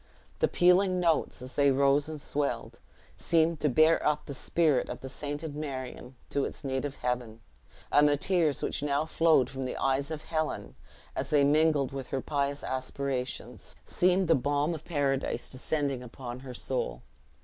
The pealing notes, as they rose and swelled, seemed to bear up the spirit of the sainted Marion to its native heaven; and the tears which now flowed from the eyes of Helen, as they mingled with her pious aspirations, seemed the balm of paradise descending upon her soul.